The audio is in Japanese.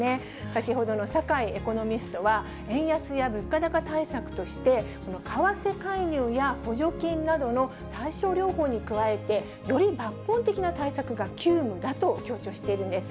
先ほどの酒井エコノミストは、円安や物価高対策として、為替介入や補助金などの対症療法に加えて、加えて、より抜本的な対策が急務だと強調しているんです。